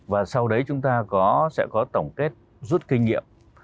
và sau đấy chúng ta sẽ có tổng kết rút kinh nghiệm